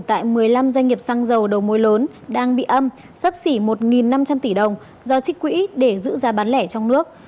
tại một mươi năm doanh nghiệp xăng dầu đầu mối lớn đang bị âm sắp xỉ một năm trăm linh tỷ đồng do trích quỹ để giữ giá bán lẻ trong nước